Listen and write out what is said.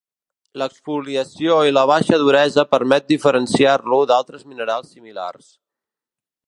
L'exfoliació i la baixa duresa permet diferenciar-lo d'altres minerals similars.